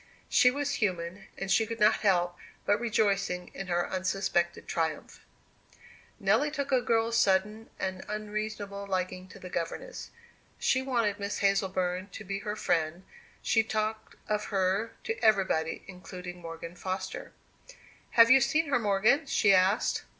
She was human, and she could not help rejoicing in her unsuspected triumph. Nelly took a girl's sudden and unreasonable liking to the governess. She wanted Miss Hazleburn to be her friend; she talked of her to everybody, including Morgan Foster. "Have you seen her, Morgan?" she asked.